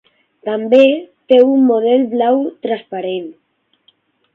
També té un model blau transparent.